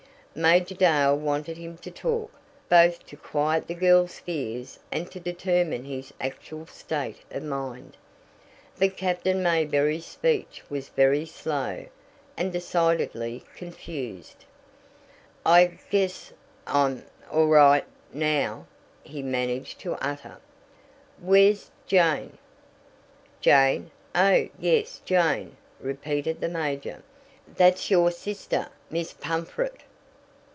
Major Dale wanted him to talk, both to quiet the girls' fears and to determine his actual state of mind. But Captain Mayberry's speech was very slow, and decidedly confused. "I guess I'm all right now," he managed to utter. "Where's Jane?" "Jane? Oh, yes, Jane," repeated the major. "That's your sister, Miss Pumfret?"